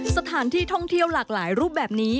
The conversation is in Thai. สถานที่ท่องเที่ยวหลากหลายรูปแบบนี้